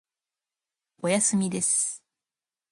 おやすみです。